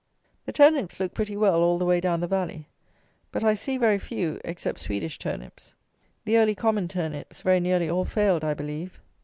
The turnips look pretty well all the way down the valley; but, I see very few, except Swedish turnips. The early common turnips very nearly all failed, I believe.